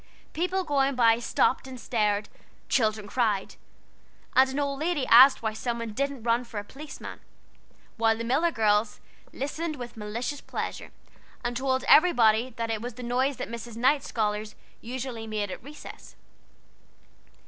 People going by stopped and stared, children cried, an old lady asked why some one didn't run for a policeman; while the Miller girls listened to the proceedings with malicious pleasure, and told everybody that it was the noise that Mrs. Knight's scholars "usually made at recess."